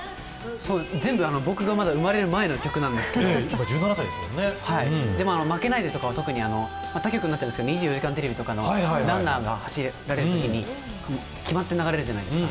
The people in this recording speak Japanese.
全部、僕がまだ生まれる前の曲なんですけど「負けないで」とかは特に他局になってしまうんですけど「２４時間テレビ」でランナーが走られるときに決まって流れるじゃないですか。